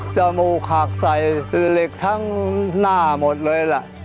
จมูกหักใสเล็กทั้งหน้าหมดเลยแหละ